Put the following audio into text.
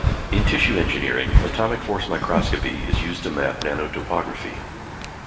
In tissue engineering, atomic force microscopy is used to map nanotopography.